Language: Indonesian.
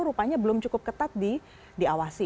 rupanya belum cukup ketat diawasi